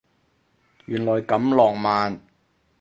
原來咁浪漫